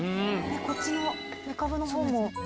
こっちのめかぶのほうも。